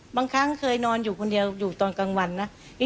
บางครั้งเคยนอนอยู่คนเดียวอยู่ตอนกลางวันนะ